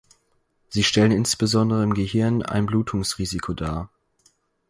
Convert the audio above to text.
Sie stellen insbesondere im Gehirn ein Blutungsrisiko dar.